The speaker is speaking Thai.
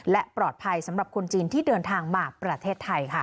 และปลอดภัยสำหรับคนจีนที่เดินทางมาประเทศไทยค่ะ